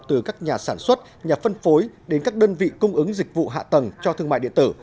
từ các nhà sản xuất nhà phân phối đến các đơn vị cung ứng dịch vụ hạ tầng cho thương mại điện tử